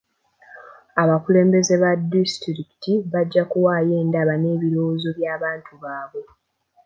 Abakulembeze ba disitulikiti bajja kuwaayo endaba n'ebirowoozo by'abantu baabwe.